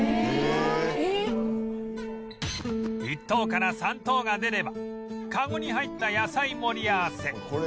１等から３等が出ればカゴに入った野菜盛り合わせ